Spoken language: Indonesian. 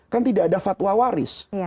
kan tidak ada fatwa waris